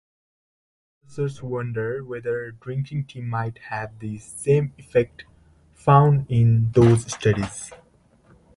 Researchers wonder whether drinking tea might have the same effects found in those studies.